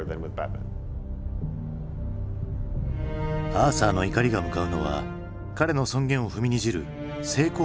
アーサーの怒りが向かうのは彼の尊厳を踏みにじる成功者たちだ。